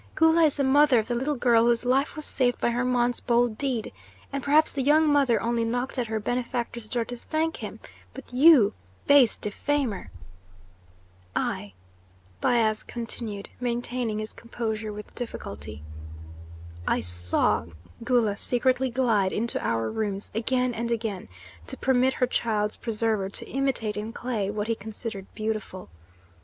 Gula is the mother of the little girl whose life was saved by Hermon's bold deed, and perhaps the young mother only knocked at her benefactor's door to thank him; but you, base defamer " "I," Bias continued, maintaining his composure with difficulty, "I saw Gula secretly glide into our rooms again and again to permit her child's preserver to imitate in clay what he considered beautiful.